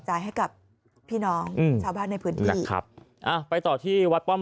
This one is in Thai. ให้กับพี่น้องอืมชาวบ้านในพื้นที่นะครับอ่าไปต่อที่วัดป้อม